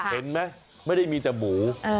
เห็นไหมไม่ได้มีแต่หมู